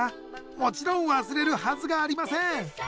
もちろん忘れるはずがありません。